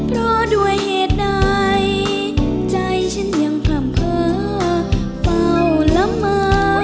เพราะด้วยเหตุใดใจฉันยังคล่ำเคาเฝ้าละเมอ